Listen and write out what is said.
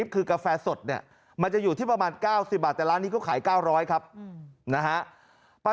คุณจะขายของคุณภาพสวนทางกับราคา